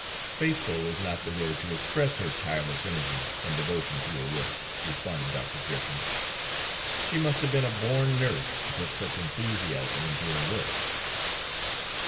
"Faithful is not the word to express her tireless energy and devotion to her work," responded Dr. Gresham. "She must have been a born nurse to put such enthusiasm into her work."